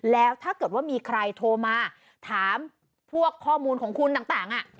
แล้วถ้าเกิดว่ามีใครโทรมาถามพวกข้อมูลของคุณต่าง